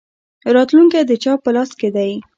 راتلونکی د چا په لاس کې دی؟